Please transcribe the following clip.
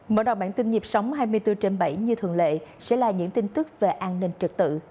mở đầu bản tin nhịp sống hai mươi bốn trên bảy như thường lệ sẽ là những tin tức về an ninh trực tự